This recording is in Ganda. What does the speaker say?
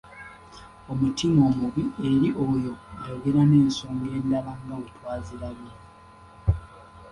Omutima omubi eri oyo ayogera n’ensonga endala nga bwe twazirabye.